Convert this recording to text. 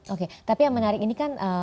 oke tapi yang menarik ini kan